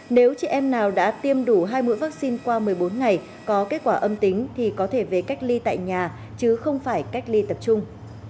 nếu chị em nào đã tiêm đủ hai mũi vaccine qua một mươi bốn ngày có kết quả âm tính thì có thể về cách ly tại nhà chứ không phải cách ly tập trung